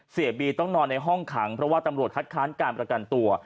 เสียบีต้องนอนในห้องขังเพราะว่าตำรวจคัดค้านการประกันตัว